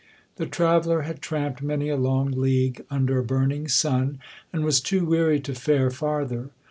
The traveller had tramped many a long league under a burning sun, and was too weary to fare farther.